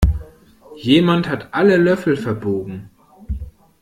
Jemand hat alle Löffel verbogen.